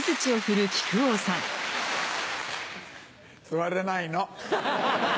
座れないの。